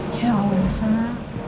kayaknya nggak boleh sama